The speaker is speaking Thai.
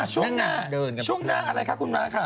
ช่วงหน้าช่วงหน้าอะไรคะคุณม้าค่ะ